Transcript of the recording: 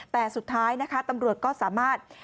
แต่สุดท้ายนะคะตำรวจก็สามารถ